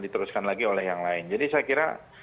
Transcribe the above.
diteruskan lagi oleh yang lain jadi saya kira